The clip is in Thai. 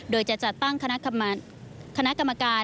โดยจะจัดตั้งคณะกรรมการ